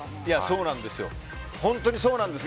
そうなんですよ。